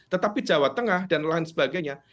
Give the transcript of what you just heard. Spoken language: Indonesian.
tetapi jawa tengah dan lain sebagainya